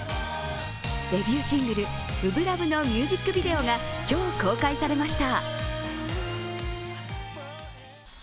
デビューシングル「初心ＬＯＶＥ」のミュージックビデオが今日、公開されました。